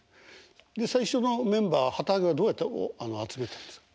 で最初のメンバー旗揚げはどうやって集めたんですか？